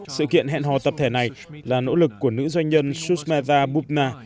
sự kiện hẹn hò tập thể này là nỗ lực của nữ doanh nhân shushmetha bhupna